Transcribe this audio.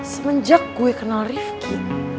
semenjak gue kenal rifqi